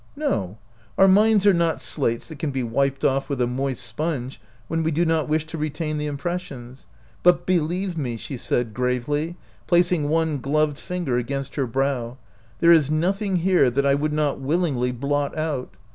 " No ; our minds are not slates that can be wiped off with a moist sponge when we do not wish to retain the impressions. But believe me," she said, gravely, placing one gloved finger against her brow, "there is nothing here that I would not willingly blot out.